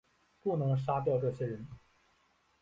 不能杀掉这些人